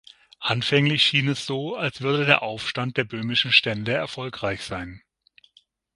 Anfänglich schien es so, als würde der Aufstand der böhmischen Stände erfolgreich sein.